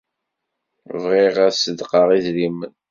Bɣiɣ ad seddqeɣ idrimen.